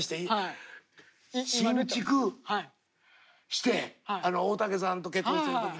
新築して大竹さんと結婚してる時に。